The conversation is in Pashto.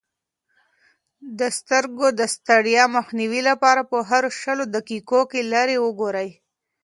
د سترګو د ستړیا مخنیوي لپاره په هرو شلو دقیقو کې لیرې وګورئ.